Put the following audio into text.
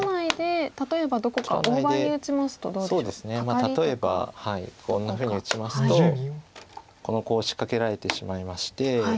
例えばこんなふうに打ちますとこのコウを仕掛けられてしまいまして。